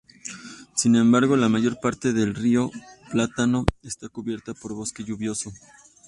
Sin embargo, la mayor parte de río Plátano está cubierta por bosque lluvioso.